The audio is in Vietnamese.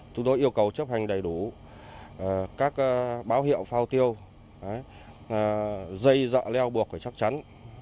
chúng tôi yêu cầu chấp hành đầy đủ các báo hiệu phao tiêu dây dọ leo buộc phải chắc chắn